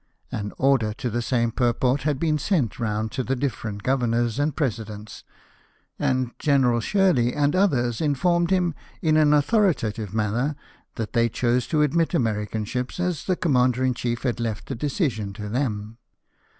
An order to the same purport had been sent round to the different governors and presidents ; and General Shhley and others informed him, in an authoritative manner, that they chose to admit American ships, as the commander in chief had left the decision to them.